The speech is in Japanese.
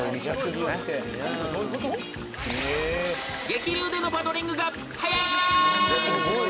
［激流でのパドリングがはやい！］